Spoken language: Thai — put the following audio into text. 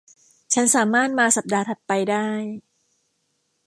ฉันสามารถมาสัปดาห์ถัดไปได้